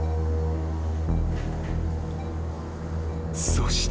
［そして］